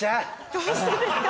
どうしてですか？